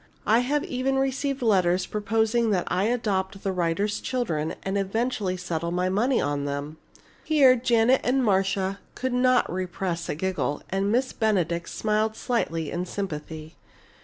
I have even received letters proposing that I adopt the writer's children and eventually settle my money on them!" Here Janet and Marcia could not repress a giggle, and Miss Benedict smiled slightly in sympathy.